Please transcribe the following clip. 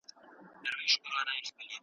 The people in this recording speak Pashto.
هغه خپل دعوت هیڅکله پرېنښود.